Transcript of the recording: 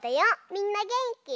みんなげんき？